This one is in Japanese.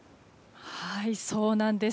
そうなんです。